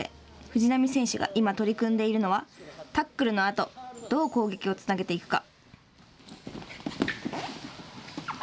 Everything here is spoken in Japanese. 藤波選手が今取り組んでいるのはタックルのあとどう攻撃をつなげていくか。